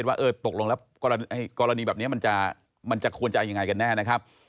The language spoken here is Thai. ว่าตกลงแล้วกรณีแบบนี้มันจะควรจะเอายังไงกันแน่นะครับ